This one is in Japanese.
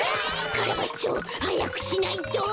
カラバッチョはやくしないと！